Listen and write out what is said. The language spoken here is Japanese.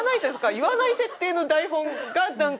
言わない設定の台本がなんか。